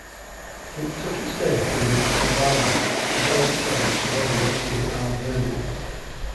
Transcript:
It took its name from the Gabali, a Gallic tribe subordinate to the Arverni.